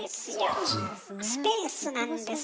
スペースなんです。